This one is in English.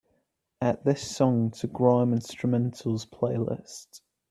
add this song to grime instrumentals playlist